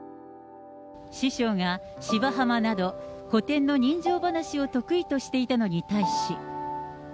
師匠が芝浜など、古典の人情ばなしを得意としていたのに対し。